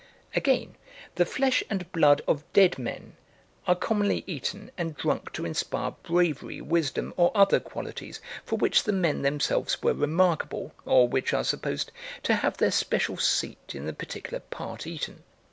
Again, the flesh and blood of dead men are commonly eaten and drunk to inspire bravery, wisdom, or other qualities for which the men themselves were remarkable, or which are supposed to have their special seat in the particular part eaten.